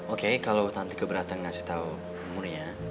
oke kalau tante keberatan ngasih tau umurnya